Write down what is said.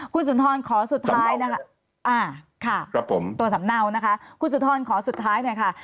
คุณสุนทรขอสุดท้ายนะครับคุณสุนทรขอสุดท้ายหน่อยค่ะ